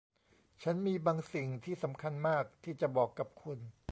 ฉันมีบางสิ่งที่สำคัญมากที่จะบอกกับคุณ